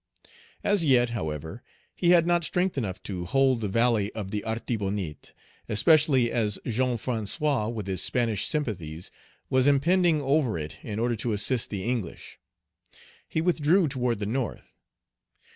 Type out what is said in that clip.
As yet, however, he had not strength enough to hold the valley of the Artibonite, especially as Jean François, with his Spanish sympathies, was impending over it in order to assist the English. He withdrew toward the North.